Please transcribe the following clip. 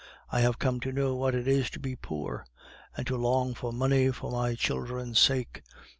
I have come to know what it is to be poor, and to long for money for my children's sake.